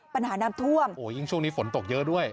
ปัญหาน้ำท่วมโอ้โหยิ่งช่วงนี้ฝนตกเยอะด้วย